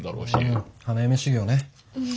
ああ花嫁修業ね。